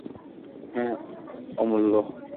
হ্যাঁ, অমূল্য।